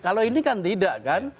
kalau ini kan tidak kan